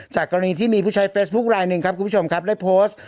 กรณีที่มีผู้ใช้เฟซบุ๊คลายหนึ่งครับคุณผู้ชมครับได้โพสต์